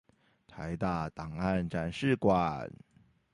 臺大檔案展示館